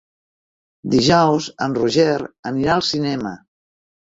Dijous en Roger anirà al cinema.